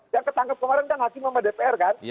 yang ketangkep kemarin kan hakim sama dpr kan